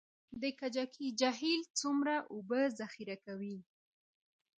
د کجکي جهیل څومره اوبه ذخیره کوي؟